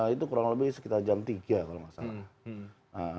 itu kurang lebih sekitar jam tiga kalau nggak salah